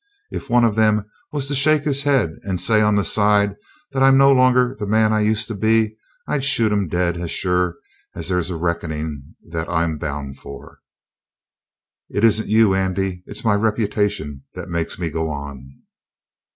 If one of them was to shake his head and say on the side that I'm no longer the man I used to be, I'd shoot him dead as sure as there's a reckoning that I'm bound for. It isn't you, Andy; it's my reputation that makes me go on."